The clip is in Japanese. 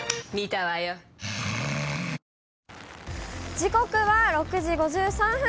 時刻は６時５３分。